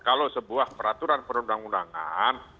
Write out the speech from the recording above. kalau sebuah peraturan perundang undangan